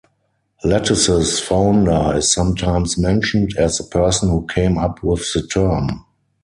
Lattice's founder is sometimes mentioned as the person who came up with the term.